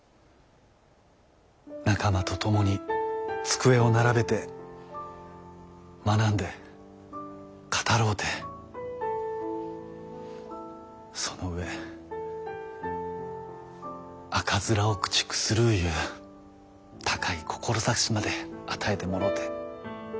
仲間と共に机を並べて学んで語ろうてその上赤面を駆逐するいう高い志まで与えてもろて。